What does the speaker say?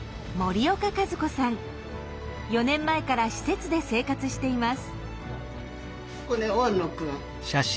４年前から施設で生活しています。